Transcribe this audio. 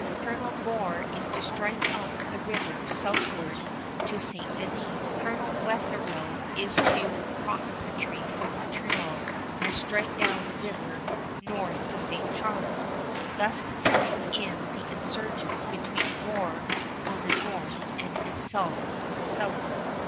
Colonel Gore is to strike up the river southward to St. Denis. Colonel Wetherell is to cross country from Montreal and strike down the river north to St. Charles, thus hemming in the insurgents between Gore on the north and himself on the south.